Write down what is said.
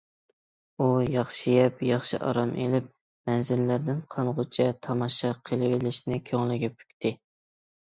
ئۇ ياخشى يەپ ياخشى ئارام ئېلىپ مەنزىرىلەردىن قانغۇچە تاماشا قىلىۋېلىشنى كۆڭلىگە پۈكتى.